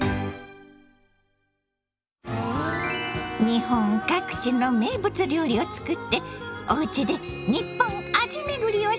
日本各地の名物料理をつくって「おうちでニッポン味めぐり」をしましょ。